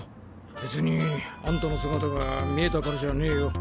別にあんたの姿が見えたからじゃねぇよ